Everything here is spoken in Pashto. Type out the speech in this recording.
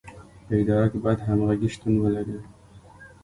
په اداره کې باید همغږي شتون ولري.